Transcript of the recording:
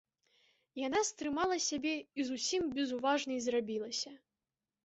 Яна стрымала сябе і зусім безуважнай зрабілася.